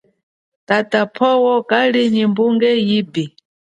Tata powa kali nyi mbunge ipi.